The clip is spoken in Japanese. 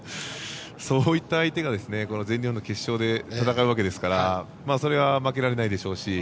そういった相手と全日本の決勝で戦うわけですからそれは負けられないでしょうし。